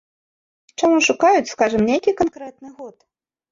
Чаму шукаюць, скажам, нейкі канкрэтны год?